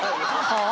はあ？